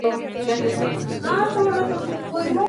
Vivía en su coche y con su pareja.